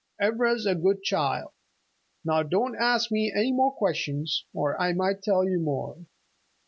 Ivra's a good child. Now don't ask me any more questions, or I might tell you more."